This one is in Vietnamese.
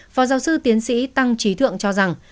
phó giáo sư tiến sĩ tăng trí thượng cho rằng